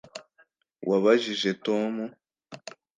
wabajije tom